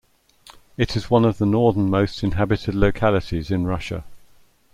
It is one of the northernmost inhabited localities in Russia.